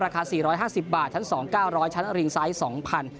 ราคา๔๕๐บาทชั้น๒๙๐๐ชั้นริงไซส์๒๐๐บาท